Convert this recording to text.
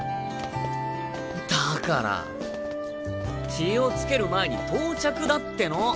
だから気を付ける前に到着だっての。